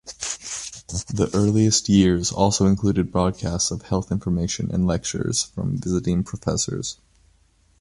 The earliest years also included broadcasts of health information and lectures from visiting professors.